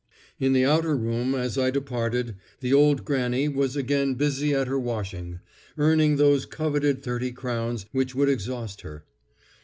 In the outer room, as I departed, the old Grannie was again busy at her washing, earning those coveted thirty crowns which would exhaust her.